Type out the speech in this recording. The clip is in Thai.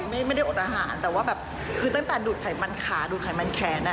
ไม่ได้อดอาหารแต่ว่าแบบคือตั้งแต่ดูดไขมันขาดูดไขมันแขนอ่ะ